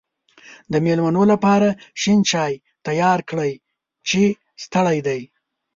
د مېلمنو لپاره شین چای تیار کړی چې ستړی دی.